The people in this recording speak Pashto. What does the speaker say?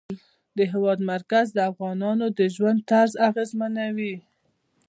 د هېواد مرکز د افغانانو د ژوند طرز اغېزمنوي.